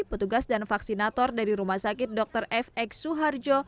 petugas dan vaksinator dari rumah sakit dr fx suharjo